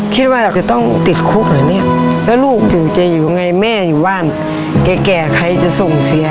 คิดว่าเราจะต้องติดคุกเหรอเนี่ยแล้วลูกอยู่จะอยู่ยังไงแม่อยู่บ้านแก่ใครจะส่งเสีย